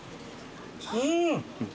うん！